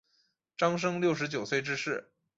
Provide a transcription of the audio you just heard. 张升六十九岁致仕。